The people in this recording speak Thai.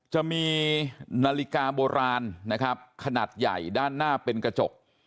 จะมีนาฬิกาโบราณนะครับขนาดใหญ่ด้านหน้าเป็นกระจก